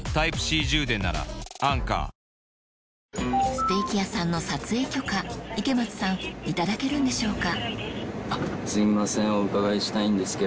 ステーキ屋さんの撮影許可池松さん頂けるんでしょうか？